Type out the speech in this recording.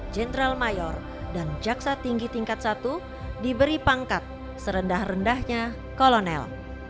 jenderal mayor dan jaksa tinggi tingkat satu diberi pangkat serendah rendahnya kolonel